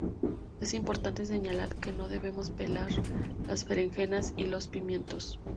Es importante señalar que no debemos pelar las berenjenas y los pimientos.